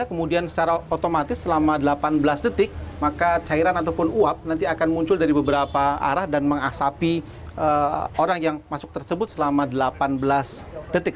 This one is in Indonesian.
kemudian secara otomatis selama delapan belas detik maka cairan ataupun uap nanti akan muncul dari beberapa arah dan mengasapi orang yang masuk tersebut selama delapan belas detik